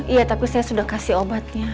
iya tapi saya sudah kasih obatnya